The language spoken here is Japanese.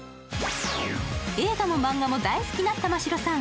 映画もマンガも大好きな玉城さん。